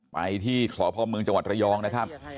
ไปที่สไปที่สภมจังหวัดระยองนะครับ